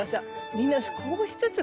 みんな少しずつこう。